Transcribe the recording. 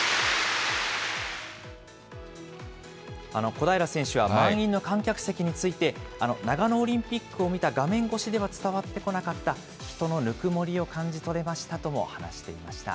小平選手は満員の観客席について、長野オリンピックを見た画面越しでは伝わってこなかった人のぬくもりを感じ取れましたとも話していました。